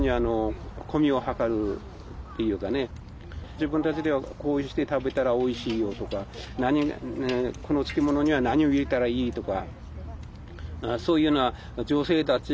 自分たちではこうして食べたらおいしいよとかこの漬物には何を入れたらいいとか。